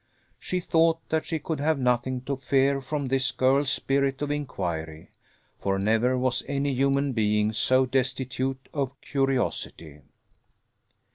She thought that she could have nothing to fear from this girl's spirit of inquiry, for never was any human being so destitute of curiosity.